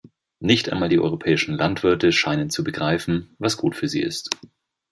Nicht einmal die europäischen Landwirte scheinen zu begreifen, was gut für sie ist.